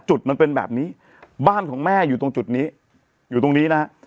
มันเป็นแบบนี้บ้านของแม่อยู่ตรงจุดนี้อยู่ตรงนี้นะฮะ